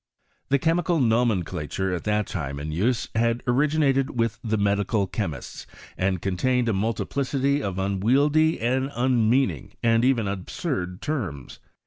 The chemical nomenclature at that time in use had originated with the medical chemists, and con tained a multiplicity of unwieldy and unmeaning, and even absurd terms.